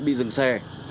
bị dừng xe